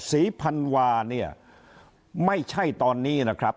ศรีพันวาเนี่ยไม่ใช่ตอนนี้นะครับ